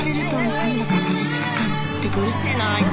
何だか寂しくってかうるせぇなあいつ！